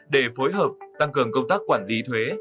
để phối hợp tăng cường công tác quản lý thuế